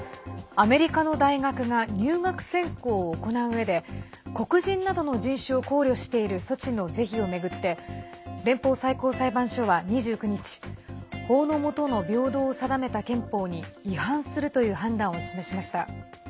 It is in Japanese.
アメリカの大学が入学選考を行ううえで黒人などの人種を考慮している措置の是非を巡って連邦最高裁判所は２９日法の下の平等を定めた憲法に違反するという判断を示しました。